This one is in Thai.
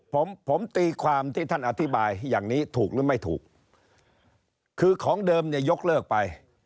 ผมผมตีความที่ท่านอธิบายอย่างนี้ถูกหรือไม่ถูกคือของเดิมเนี่ยยกเลิกไป